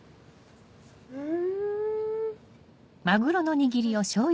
うん。